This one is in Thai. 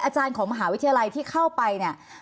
อาจารย์ของมหาวิทยาลัยที่เข้าไปเนี่ย